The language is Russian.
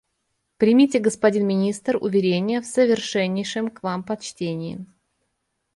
«Примите, господин министр, уверение в совершеннейшем к Вам почтении».